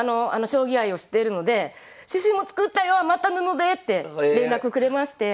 将棋愛を知っているので「シュシュも作ったよ余った布で！」って連絡くれまして。